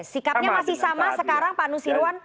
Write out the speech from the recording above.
sikapnya masih sama sekarang pak nusirwan